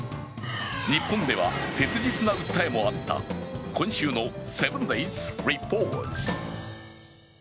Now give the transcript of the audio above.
日本では切実な訴えもあった今週の「７ｄａｙｓリポート」。